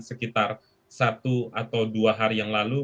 sekitar satu atau dua hari yang lalu